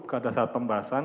pada saat pembahasan